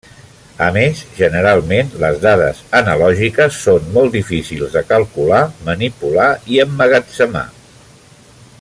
A més, generalment, les dades analògiques són molt difícils de calcular, manipular i emmagatzemar.